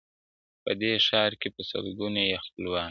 په دې ښار کي په سلگونو یې خپلوان وه!!